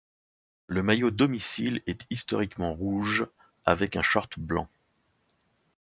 Le maillot domicile est historiquement rouge, avec un short blanc.